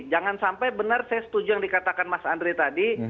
jangan sampai benar saya setuju yang dikatakan mas andre tadi